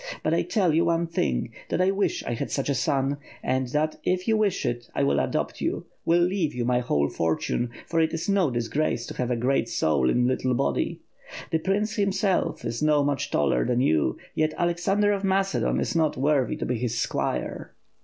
But I tell you one thing, that I wish I had such a son; and, if you wish it, I will adopt you; will leave you my whole for tune; for it is no disgrace to have a great soul in ^ little body. The Prince himeelf is not much taller than you, yet Alex ander of Macedon is not worthy to be his squire."